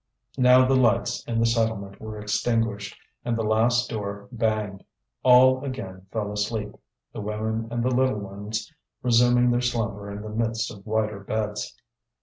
Now the lights in the settlement were extinguished, and the last door banged. All again fell asleep; the women and the little ones resuming their slumber in the midst of wider beds.